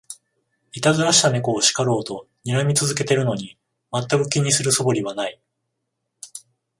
いたずらした猫を叱ろうとにらみ続けてるのに、まったく気にする素振りはない